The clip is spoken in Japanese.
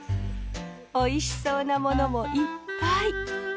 おいしそうなものもいっぱい！